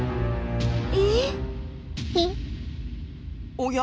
おや？